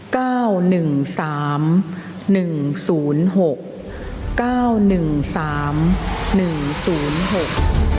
เก้าหนึ่งสามหนึ่งศูนย์หกเก้าหนึ่งสามหนึ่งศูนย์หก